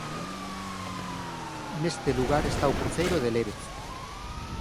Neste lugar está o cruceiro de Lérez.